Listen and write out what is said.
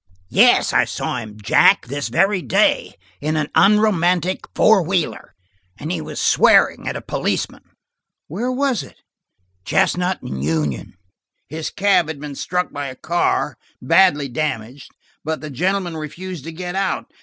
"Yes, I saw him, Jack, this very day, in an unromantic four wheeler, and he was swearing at a policeman." "Where was it?" "Chestnut and Union. His cab had been struck by a car, and badly damaged, but the gentleman refused to get out.